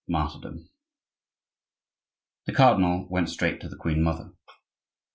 MARTYRDOM The cardinal went straight to the queen mother.